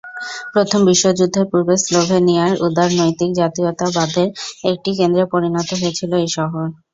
প্রথম বিশ্বযুদ্ধের পূর্বে স্লোভেনিয়ার উদারনৈতিক জাতীয়তাবাদের একটি কেন্দ্রে পরিণত হয়েছিল এই শহর।